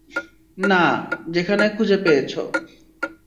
না, যেখানে খুঁজে পেয়েছো।